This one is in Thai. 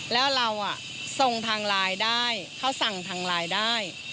แล้วเราส่งทางไลน์ได้เขาสั่งทางไลน์ได้